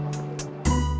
sampai jumpa lagi